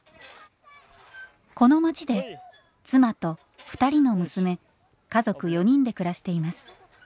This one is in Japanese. この街で妻と２人の娘家族４人で暮らしています。